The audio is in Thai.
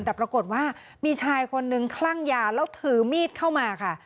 แต่ปรากฏว่ามีชายคนนึงคลั่งยาแล้วถือมีดเข้ามาค่ะ